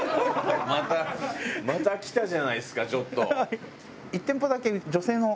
またまたきたじゃないですかちょっと。